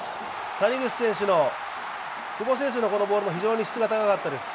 谷口選手の久保選手のゴールも非常に質が高かったです。